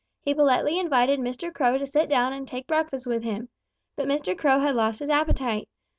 He politely invited Mr. Crow to sit down and take breakfast with him. But Mr. Crow had lost his appetite.